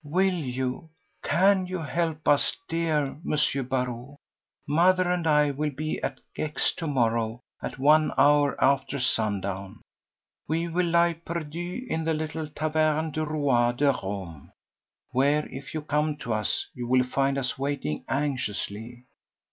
"Will you, can you help us, dear M. Barrot? Mother and I will be at Gex to morrow at one hour after sundown. We will lie perdu in the little Taverne du Roi de Rome, where, if you come to us, you will find us waiting anxiously.